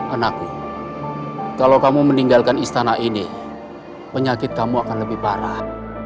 anakku kalau kamu meninggalkan istana ini penyakit kamu akan lebih parah